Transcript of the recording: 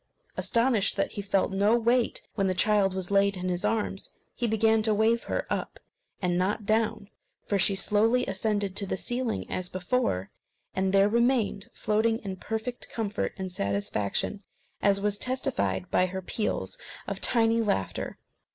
Astonished that he felt no weight when the child was laid in his arms, he began to wave her up and not down; for she slowly ascended to the ceiling as before, and there remained floating in perfect comfort and satisfaction, as was testified by her peals of tiny laughter.